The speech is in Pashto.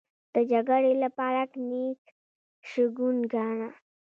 د جګړې لپاره نېک شګون گاڼه.